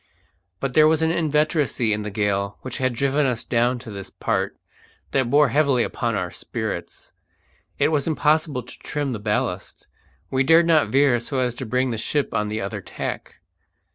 But there was an inveteracy in the gale which had driven us down to this part that bore heavily upon our spirits. It was impossible to trim the ballast. We dared not veer so as to bring the ship on the other tack.